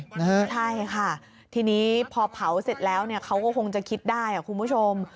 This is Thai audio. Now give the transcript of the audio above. ใช่ค่ะทีนี้พอเผาเสร็จแล้วเนี่ยเขาก็คงจะคิดได้คุณผู้ชม